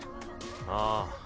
ああ。